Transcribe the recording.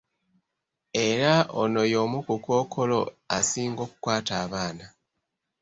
Era ono y'omu ku kookolo asinga okukwata abaana.